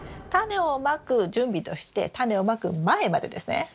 タネをまく準備としてタネをまく前までですね。